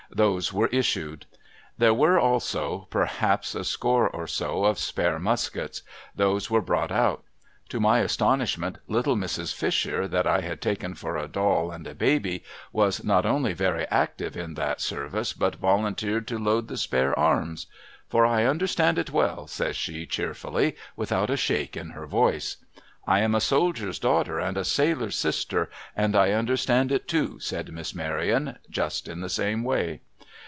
Those were issued. There were, also, perhaps a score or so of spare muskets. Those were brought out. To my astonishment, little Mrs. Fisher, that I had taken for a doll and a baby, was not only very active in that service, but volunteered to load the spare arms. ' For, I understand it well,' says she, cheerfully, without a shake in her voice. ' I am a soldier's daughter and a sailor's sister, and I understand it too,' says INIiss Maryon, just in the same way.